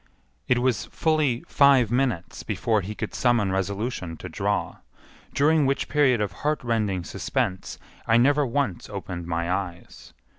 It was fully five minutes before he could summon resolution to draw, during which period of heartrending suspense I never once opened my eyes.